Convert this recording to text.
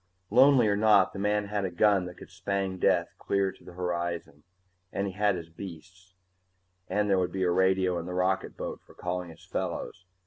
Lonely or not, the man had a gun that could spang death clear to the horizon, and he had his beasts, and there would be a radio in the rocketboat for calling his fellows.